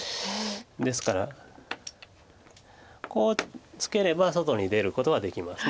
ですからこうツケれば外に出ることはできます。